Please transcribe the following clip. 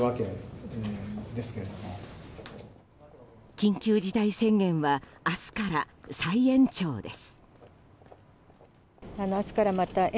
緊急事態宣言は明日から再延長です。